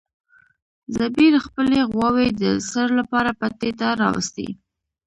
زبیر خپلې غواوې د څړ لپاره پټي ته راوستې.